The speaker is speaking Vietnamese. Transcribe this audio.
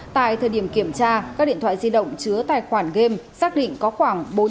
tại thời điểm kiểm tra các điện thoại di động chứa tài khoản game xác định có khoảng